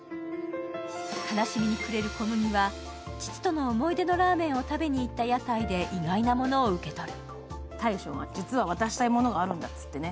悲しみに暮れる心麦は父と思い出のラーメンを食べに行った屋台で意外なものを受け取る。